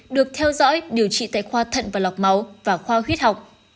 được theo dõi điều trị tại khoa thận và lọc máu và khoa huyết học